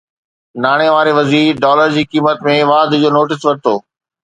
ناڻي واري وزير ڊالر جي قيمت ۾ واڌ جو نوٽيس ورتو